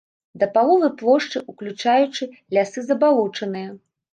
Да паловы плошчы, уключаючы, лясы забалочаныя.